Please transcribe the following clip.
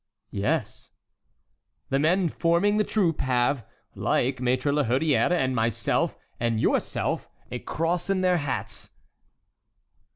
"Yes." "The men forming that troop have, like Maître la Hurière, and myself, and yourself, a cross in their hats."